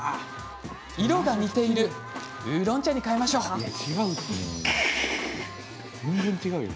色が似ているウーロン茶にかえましょう全然違うよ。